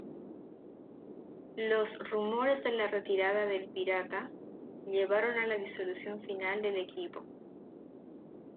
Los rumores de la retirada del "Pirata" llevaron a la disolución final del equipo.